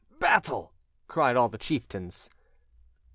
battle!" cried all the chieftains.